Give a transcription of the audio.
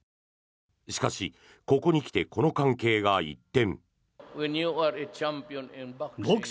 しかし、ここに来てこの関係が一転。